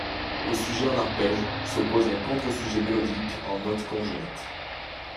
Au sujet en arpège, s'oppose un contre-sujet mélodique en notes conjointes.